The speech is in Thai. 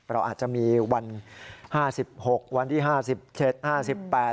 เราอาจจะมีวัน๕๖วันที่๕๐เชศ๕๘